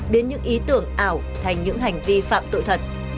đến những ý tưởng ảo thành những hành vi phạm tội thật